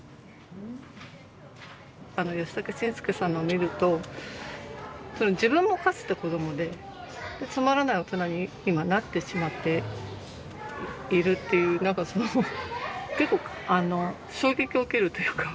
あのヨシタケシンスケさんのを見ると自分もかつて子どもでつまらない大人に今なってしまっているっていう何かその結構あの衝撃を受けるというか。